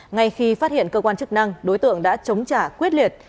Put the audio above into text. ngay khi phát hiện cơ quan chức năng đối tượng đã chống trả quyết liệt